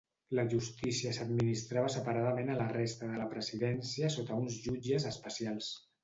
La justícia s'administrava separadament a la resta de la presidència sota uns jutges especials.